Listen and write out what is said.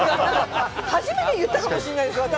初めて言ったかもしれないです私。